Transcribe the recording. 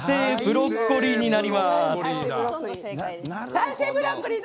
「再生ブロッコリー」。